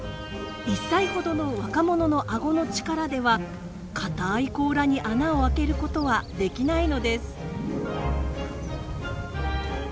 １歳ほどの若者の顎の力では硬い甲羅に穴を開けることはできないのです。